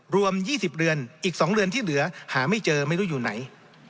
รวม๒๐เรือนอีก๒เรือนที่เหลือหาไม่เจอไม่รู้อยู่ไหน